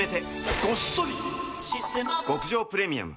極上プレミアム